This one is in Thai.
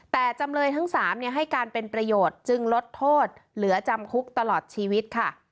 แต่จำเลยทั้ง๓ให้การเป็นประโยชน์จึงลดโทษเหลือจำคุกตลอดชีวิตค่ะ